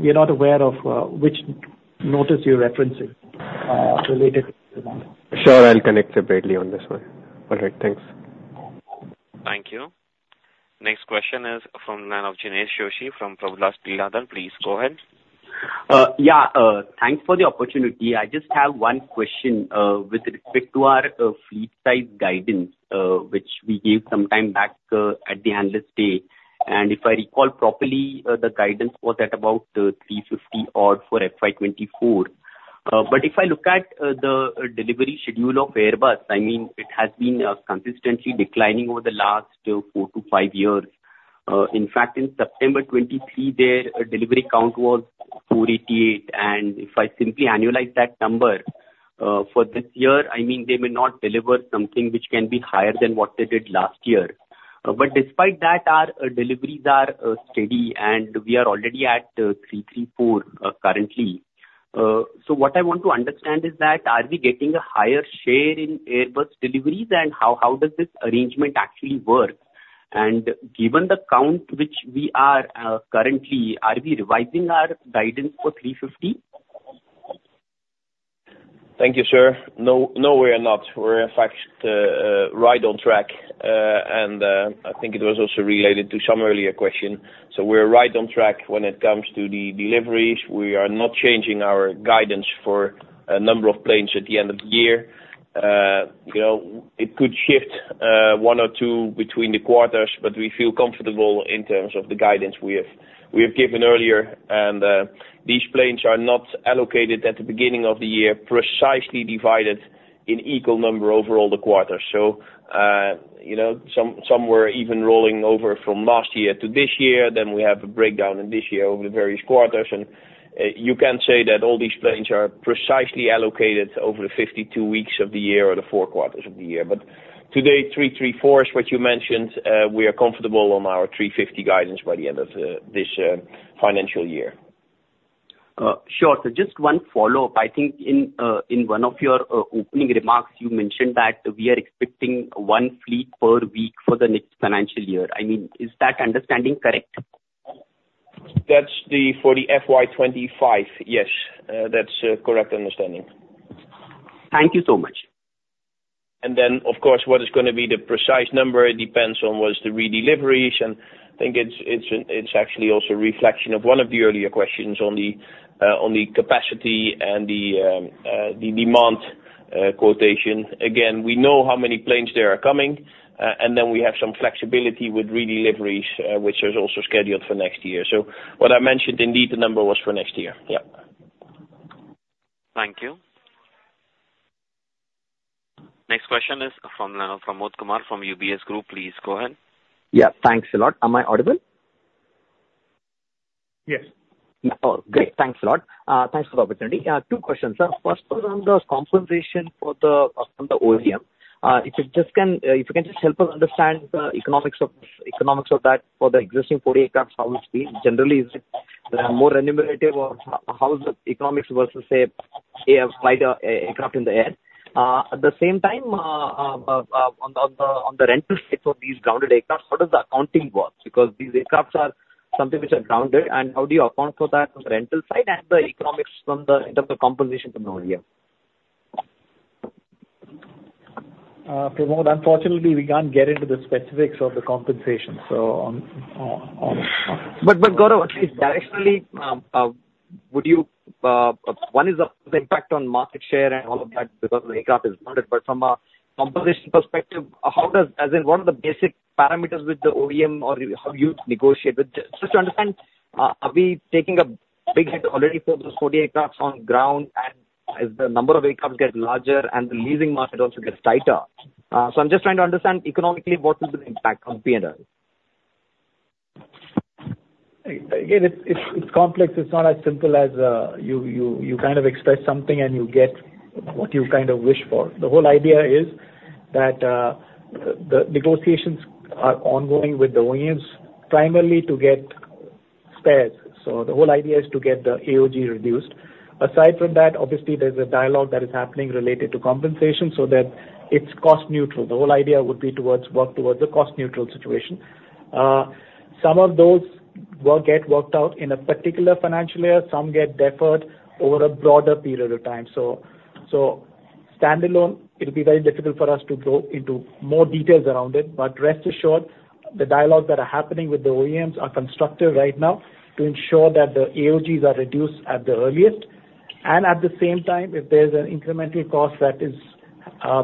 we are not aware of which notice you are referencing related to that. Sure, I will connect separately on this one. All right, thanks. Thank you. Next question is from the line of Jinesh Joshi from Prabhudas Lilladher. Please go ahead. Thanks for the opportunity. I just have one question with respect to our fleet size guidance, which we gave some time back, at the analyst day. And if I recall properly, the guidance was at about 350 odd for FY 2024. But if I look at the delivery schedule of Airbus, I mean, it has been consistently declining over the last 4-5 years. In fact, in September 2023, their delivery count was 488, and if I simply annualize that number for this year, I mean, they may not deliver something which can be higher than what they did last year. But despite that, our deliveries are steady, and we are already at 334 currently. What I want to understand is that, are we getting a higher share in Airbus deliveries, and how does this arrangement actually work? And given the count which we are, currently, are we revising our guidance for 350? Thank you, sir. No, no, we are not. We are in fact, right on track. And I think it was also related to some earlier question. We are right on track when it comes to the deliveries. We are not changing our guidance for a number of planes at the end of the year. It could shift, one or two between the quarters, but we feel comfortable in terms of the guidance we have, we have given earlier. And these planes are not allocated at the beginning of the year, precisely divided in equal number over all the quarters. Some were even rolling over from last year to this year. Then we have a breakdown in this year over the various quarters, and, you can say that all these planes are precisely allocated over the 52 weeks of the year or the four quarters of the year. But today, 334 is what you mentioned, we are comfortable on our 350 guidance by the end of this financial year. Sure. Just one follow-up. I think in, in one of your opening remarks, you mentioned that we are expecting one fleet per week for the next financial year. I mean, is that understanding correct? That's for FY 2025. Yes, that's a correct understanding. Thank you so much. Then, of course, what is gonna be the precise number? It depends on what's the redeliveries, and I think it's, it's, it's actually also a reflection of one of the earlier questions on the capacity and the demand quotation. Again, we know how many planes they are coming, and then we have some flexibility with redeliveries, which is also scheduled for next year. So what I mentioned, indeed, the number was for next year. Yep. Thank you. Next question is from Pramod Kumar from UBS Group. Please go ahead. Yeah, thanks a lot. Am I audible? Yes. Oh, great! Thanks a lot. Thanks for the opportunity. Two questions. Sir, first one, on the compensation for the, from the OEM. If you just can, if you can just help us understand the economics of, economics of that for the existing 40 aircraft, how it's been. Generally, is it, more remunerative or how is the economics versus, say, a wider aircraft in the air? At the same time, on the rental side for these grounded aircraft, how does the accounting work? Because these aircraft are something which are grounded, and how do you account for that on the rental side and the economics from the, in terms of compensation from the OEM? Pramod, unfortunately, we can't get into the specifics of the compensation, so on. Gaurav, [inaudible] is the impact on market share and all of that because the aircraft is grounded. But from a compensation perspective, [inaudible] As in, what are the basic parameters with the OEM or how you negotiate with? Just to understand, are we taking a big hit already for those 40 aircraft on ground? And as the number of aircraft get larger and the leasing market also gets tighter. So I am just trying to understand economically, what is the impact on P&L? Again, it's complex. It's not as simple as you express something and you get what you wish for. The whole idea is that the negotiations are ongoing with the OEMs, primarily to get spares. So the whole idea is to get the AOG reduced. Aside from that, obviously, there's a dialogue that is happening related to compensation so that it's cost neutral. The whole idea would be to work towards a cost neutral situation. Some of those will get worked out in a particular financial year, some get deferred over a broader period of time. So standalone, it'll be very difficult for us to go into more details around it. But rest assured, the dialogues that are happening with the OEMs are constructive right now to ensure that the AOGs are reduced at the earliest. At the same time, if there's an incremental cost that is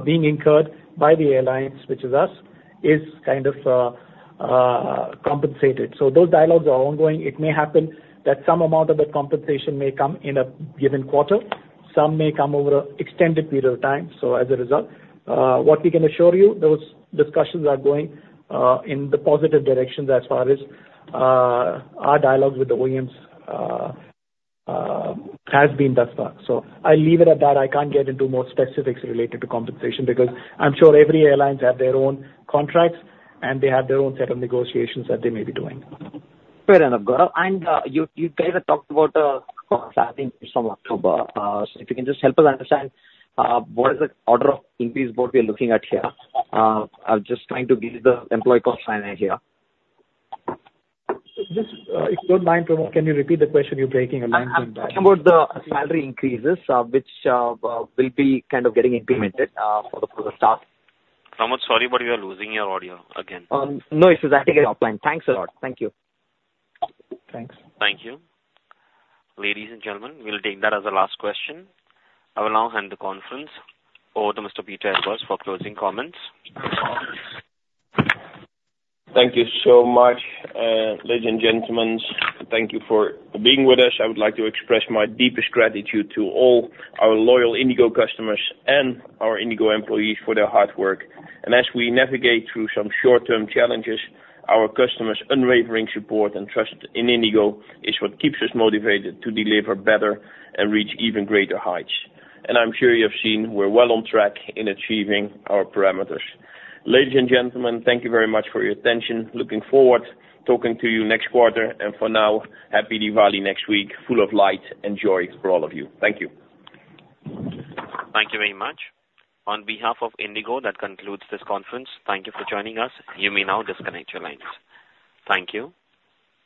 being incurred by the airlines, which is us, is compensated. So those dialogues are ongoing. It may happen that some amount of the compensation may come in a given quarter, some may come over an extended period of time. As a result, what we can assure you, those discussions are going in the positive directions as far as our dialogues with the OEMs has been thus far. I will leave it at that. I can't get into more specifics related to compensation, because I am sure every airlines have their own contracts, and they have their own set of negotiations that they may be doing. Fair enough, Gaurav. And, you, you guys have talked about, I think from October. So if you can just help us understand, what is the order of increase, what we are looking at here? I am just trying to get the employee cost sign-in here. Just, if you don't mind, Pramod, can you repeat the question? You are breaking a line somewhere. I am talking about the salary increases, which will be getting implemented for the staff. Pramod, sorry, but you are losing your audio again. No, it's actually offline. Thanks a lot. Thank you. Thanks. Thank you. Ladies and gentlemen, we will take that as our last question. I will now hand the conference over to Mr. Pieter Elbers for closing comments. Thank you so much, ladies and gentlemen, thank you for being with us. I would like to express my deepest gratitude to all our loyal IndiGo customers and our IndiGo employees for their hard work. As we navigate through some short-term challenges, our customers' unwavering support and trust in IndiGo is what keeps us motivated to deliver better and reach even greater heights. I am sure you have seen we are well on track in achieving our parameters. Ladies and gentlemen, thank you very much for your attention. Looking forward to talking to you next quarter. For now, happy Diwali next week, full of light and joy for all of you. Thank you. Thank you very much. On behalf of IndiGo, that concludes this conference. Thank you for joining us. You may now disconnect your lines. Thank you.